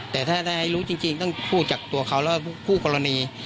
แต่ถ้าได้รู้จริงต้องพูดจากตัวเขาแล้วก็คู่กรณี